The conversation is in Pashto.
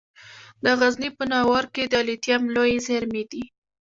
د غزني په ناوور کې د لیتیم لویې زیرمې دي.